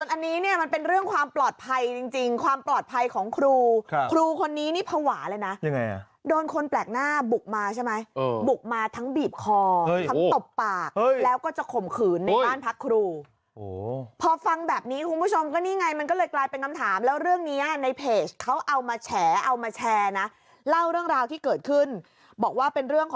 อันนี้เนี่ยมันเป็นเรื่องความปลอดภัยจริงความปลอดภัยของครูครูคนนี้นี่ภาวะเลยนะยังไงอ่ะโดนคนแปลกหน้าบุกมาใช่ไหมบุกมาทั้งบีบคอทั้งตบปากแล้วก็จะข่มขืนในบ้านพักครูพอฟังแบบนี้คุณผู้ชมก็นี่ไงมันก็เลยกลายเป็นคำถามแล้วเรื่องนี้ในเพจเขาเอามาแฉเอามาแชร์นะเล่าเรื่องราวที่เกิดขึ้นบอกว่าเป็นเรื่องของ